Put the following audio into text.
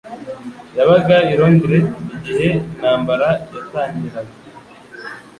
Yabaga i Londres igihe intambara yatangiraga.